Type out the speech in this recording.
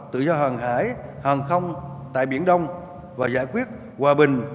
tự do hàng hải hàng không tại biển đông và giải quyết hòa bình